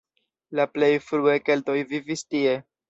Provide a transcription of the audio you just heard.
La plej frue keltoj vivis tie.